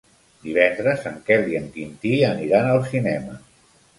Divendres en Quel i en Quintí aniran al cinema.